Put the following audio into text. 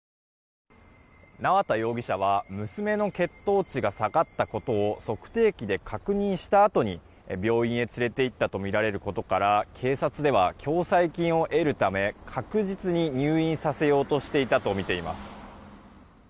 縄田容疑者は娘の血糖値が下がったことを測定器で確認したあとに病院へ連れていったとみられることから警察では共済金を得るため、確実に入院させようとしていたとみています。